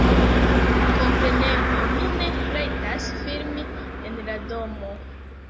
Kompreneble mi ne rajtas filmi en la domo